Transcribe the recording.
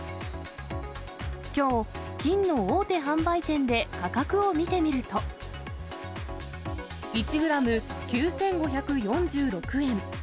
きょう、金の大手販売店で価格を見てみると、１グラム９５４６円。